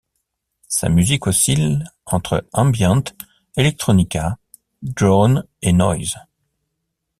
Sa musique oscille entre ambient, electronica, drone et noise.